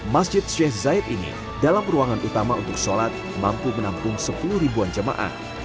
masjid syekh zaid ini dalam ruangan utama untuk sholat mampu menampung sepuluh ribuan jemaah